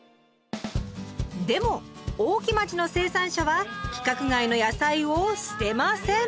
でも大木町の生産者は規格外の野菜を捨てません！